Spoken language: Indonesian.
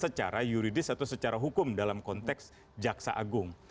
secara yuridis atau secara hukum dalam konteks jaksa agung